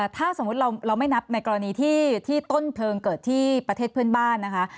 ถ้าสมมุติเราไม่นับในกรณีที่ต้นเพลิงเกิดที่ประเทศเพื่อนบ้านนะคะ